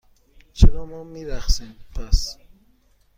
چرا ما نمی رقصیم، پس؟